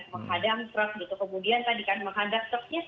menghadang truk gitu kemudian tadi kan menghadap truknya